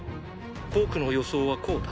僕の予想はこうだ。